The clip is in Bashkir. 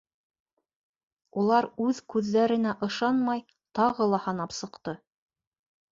Улар үҙ күҙҙәренә ышанмай тағы ла һанап сыҡты.